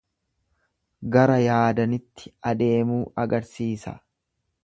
Gara yaadanitti adeemuu agarsiisa.